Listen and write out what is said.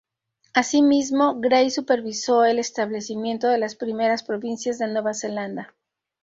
Asimismo, Grey supervisó el establecimiento de las primeras provincias de Nueva Zelanda.